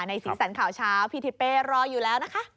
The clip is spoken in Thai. สีสันข่าวเช้าพี่ทิเป้รออยู่แล้วนะคะ